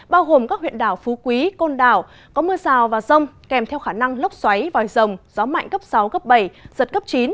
bao gồm các huyện đảo phú quý côn đảo có mưa rào và rông kèm theo khả năng lốc xoáy và rồng gió mạnh cấp sáu cấp bảy giật cấp chín